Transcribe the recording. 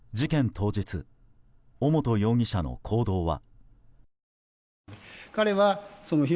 当日尾本容疑者の行動は。